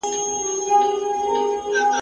که ښځي تر نارینوو کمي نه وای